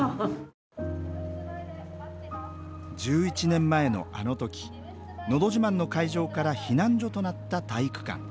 １１年前のあの時「のど自慢」の会場から避難所となった体育館。